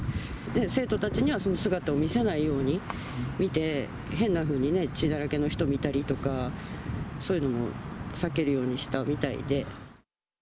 生徒たちにはその姿を見せないように、見て、変なふうにね、血だらけの人見たりとか、そういうのを避けるようにしたみたいで。